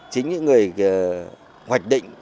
chính những người hoạch định